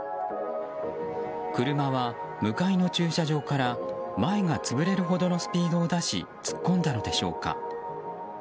車は、向かいの駐車場から前が潰れるほどのスピードを出し突っ込んだのでしょうか。